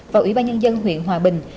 và ủy ban nhân dân huyện hòa bình